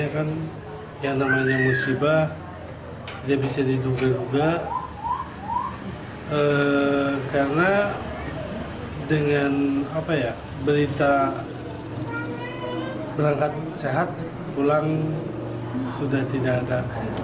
karena dengan berita berangkat sehat pulang sudah tidak ada